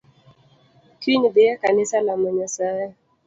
Kiny dhiye kanisa lamo nyasaye.